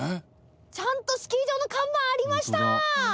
ちゃんとスキー場の看板ありました！